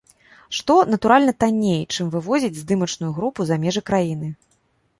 Што, натуральна, танней, чым вывозіць здымачную групу за межы краіны.